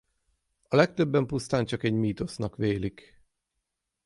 A legtöbben pusztán csak egy mítosznak vélik.